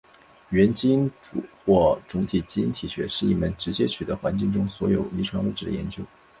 元基因组或总体基因体学是一门直接取得环境中所有遗传物质的研究。